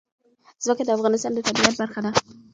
ځمکه د افغانستان د طبیعت برخه ده.